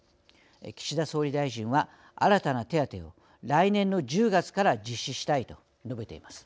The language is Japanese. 岸田総理大臣は新たな手当を来年の１０月から実施したいと述べています。